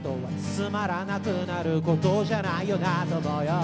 「つまらなくなることじゃないよなぁ友よ」